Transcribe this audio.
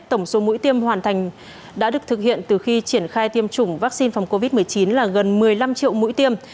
tổng số mũi tiêm hoàn thành đã được thực hiện từ khi triển khai tiêm chủng vaccine phòng covid một mươi chín là gần một mươi năm triệu mũi tiêm